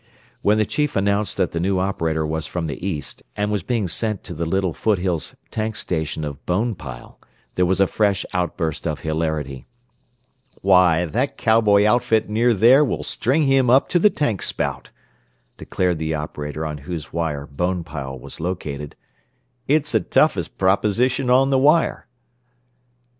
When the chief announced that the new operator was from the east, and was being sent to the little foothills tank station of Bonepile, there was a fresh outburst of hilarity. "Why, that cowboy outfit near there will string him up to the tank spout," declared the operator on whose wire Bonepile was located. "It's the toughest proposition on the wire."